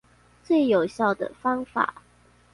最有效的方法